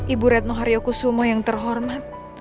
ibu retno haryokusumo yang terhormat